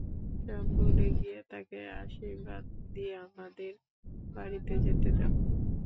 সব ভুলে গিয়ে তাকে আশীর্বাদ দিয়ে আমাদের বাড়িতে যেতে দাও।